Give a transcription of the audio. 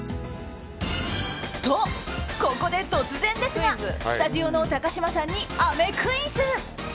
と、ここで突然ですがスタジオの高嶋さんにあめクイズ。